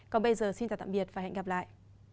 còn bây giờ xin chào tạm biệt và hẹn gặp lại